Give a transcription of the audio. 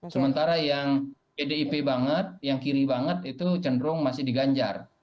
sementara yang pdip banget yang kiri banget itu cenderung masih di ganjar